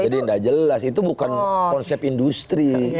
tidak jelas itu bukan konsep industri